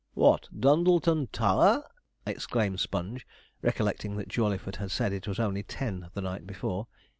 'What, Dundleton Tower!' exclaimed Sponge, recollecting that Jawleyford had said it was only ten the night before.